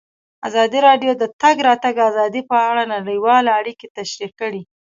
ازادي راډیو د د تګ راتګ ازادي په اړه نړیوالې اړیکې تشریح کړي.